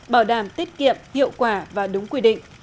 bảo đảm tiết kiệm hiệu quả và đúng quy định